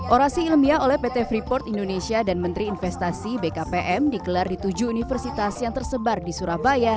orasi ilmiah oleh pt freeport indonesia dan menteri investasi bkpm dikelar di tujuh universitas yang tersebar di surabaya